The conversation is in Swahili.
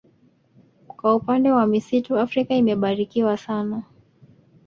Kwa upande wa misitu Afrika imebarikiwa sana